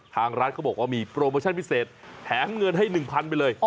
ทางร้านเขาบอกว่ามีโปรโมชั่นพิเศษแถมเงินให้๑๐๐ไปเลย